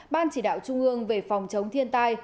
ban chỉ đạo trung ương về phòng chống thiên tai